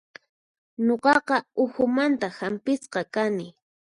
Nuqaqa uhumanta hampisqa kani.